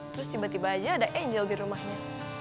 terus tiba tiba aja ada angel di rumahnya